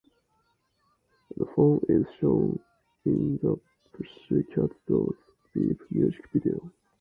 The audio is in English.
The phone is shown in the Pussycat Dolls' "Beep" music video.